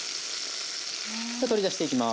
取り出していきます。